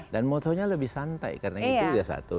dan motonya lebih santai karena itu